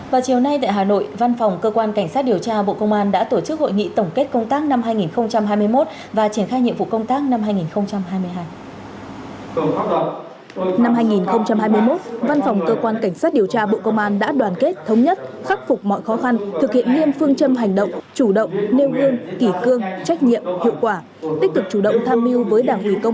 và chiều nay tại hà nội văn phòng cơ quan cảnh sát điều tra bộ công an đã tổ chức hội nghị tổng kết công tác năm hai nghìn hai mươi một và triển khai nhiệm vụ công tác năm hai nghìn hai mươi hai